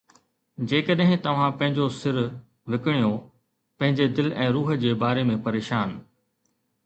جيڪڏھن توھان پنھنجو سر وڪڻيو، پنھنجي دل ۽ روح جي باري ۾ پريشان